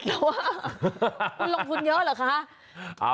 คุณลงทุนเยอะเหรอคะ